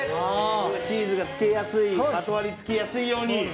チーズがつけやすいまとわりつきやすいように。